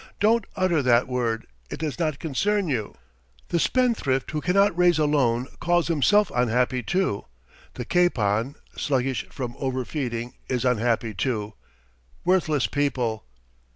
"Don't utter that word, it does not concern you. The spendthrift who cannot raise a loan calls himself unhappy, too. The capon, sluggish from over feeding, is unhappy, too. Worthless people!"